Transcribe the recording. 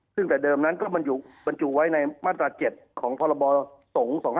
ซึ่งแต่เดิมนั้นก็มันอยู่ไว้ในมาตรา๗ของพลส๒๕๓๕